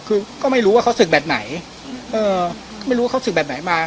คือก็ไม่รู้ว่าเขาศึกแบบไหนเอ่อไม่รู้ว่าเขาศึกแบบไหนมา